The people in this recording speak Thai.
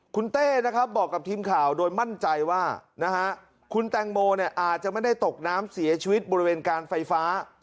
คุณเต้นะครับบอกกับทีมข่าวโดยมั่นใจว่าคุณแตงโมอาจจะไม่ได้ตกน้ำเสียชีวิตบริเวณการไฟฟ้า